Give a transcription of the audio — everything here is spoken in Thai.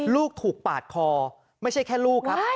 ลูกถูกปาดคอไม่ใช่แค่ลูกครับ